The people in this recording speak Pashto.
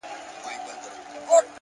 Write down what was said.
پوه انسان له اورېدو هم زده کوي،